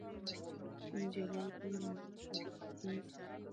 ځینې جعلي ویډیوګانې زړو کمرې تقلید کوي.